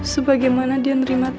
sebagaimana dia nerima tanti